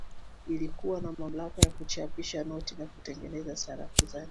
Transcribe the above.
ilikuwa na mamlaka ya kuchapisha noti na kutengeneza sarafu zake